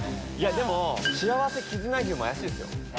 でもしあわせ絆牛も怪しいっすよ。